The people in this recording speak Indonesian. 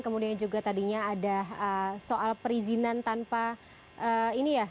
kemudian juga tadinya ada soal perizinan tanpa ini ya